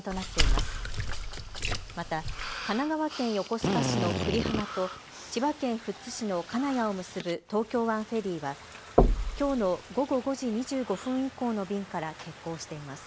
また神奈川県横須賀市の久里浜と千葉県富津市の金谷を結ぶ東京湾フェリーはきょうの午後５時２５分以降の便から欠航しています。